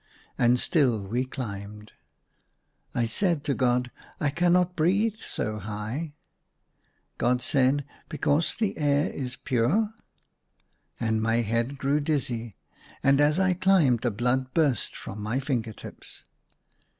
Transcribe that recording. And still we climbed. I said to God, " I cannot breathe so high." God said, *' Because the air is pure ?" And my head grew dizzy, and as I ACROSS MY BED. 175 climbed the blood burst from my finger tips.